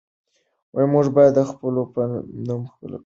موږ باید د الله په نوم خپل کارونه پیل کړو.